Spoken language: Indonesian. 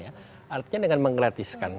artinya dengan menggratiskan